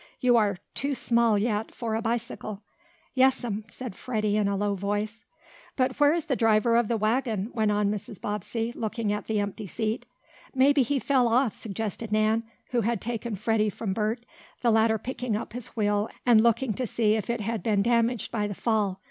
You are, too small, yet, for a bicycle." "Yes'm," said Freddie in a low voice. "But where is the driver of the wagon?" went on Mrs. Bobbsey, looking at the empty seat. "Maybe he fell off," suggested Nan, who had taken Freddie from Bert, the latter picking up his wheel, and looking to see if it had been damaged by the fall.